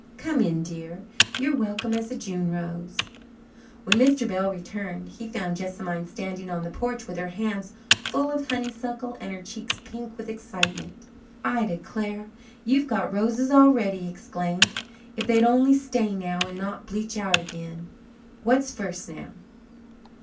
"Come in, dear. You're welcome as a June rose." When Mr. Bell returned, he found Jessamine standing on the porch with her hands full of honeysuckle and her cheeks pink with excitement. "I declare, you've got roses already," he exclaimed. "If they'd only stay now, and not bleach out again. What's first now?"